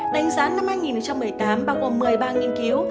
đánh giá năm hai nghìn một mươi tám bao gồm một mươi ba triệu